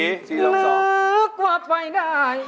ลึกกว่าไปได้